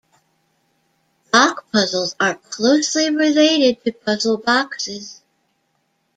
Lock puzzles are closely related to puzzle boxes.